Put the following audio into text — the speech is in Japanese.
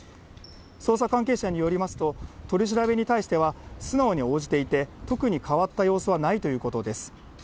捜査関係者によりますと、取り調べに対しては、素直に応じていて、特に変わった様子はないということです。